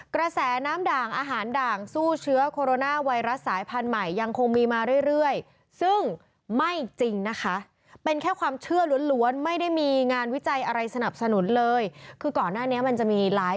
กระแสน้ำด่างอาหารด่างสู้เชื้อโคโรนาไวรัสสายพันธุ์ใหม่